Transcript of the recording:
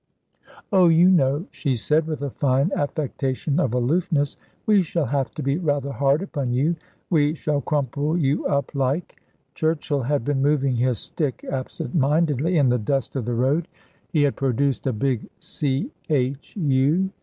"Oh, you know," she said, with a fine affectation of aloofness, "we shall have to be rather hard upon you; we shall crumple you up like " Churchill had been moving his stick absent mindedly in the dust of the road, he had produced a big "C H U."